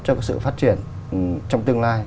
cho sự phát triển trong tương lai